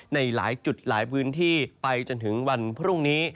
ในหลายจุดหลายพื้นที่ไปจนถึงวันพรุ่งนี้